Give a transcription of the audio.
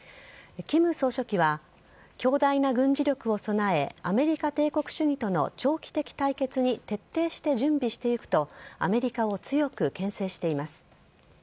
金総書記は強大な軍事力を備えアメリカ帝国主義との長期的対決に徹底して準備していくとアメリカを強くけん制しています。